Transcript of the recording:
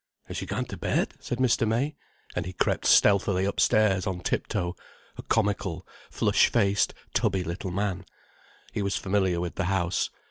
"Has she gone to bed?" said Mr. May. And he crept stealthily upstairs on tip toe, a comical, flush faced, tubby little man. He was familiar with the house.